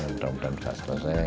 mudah mudahan bisa selesai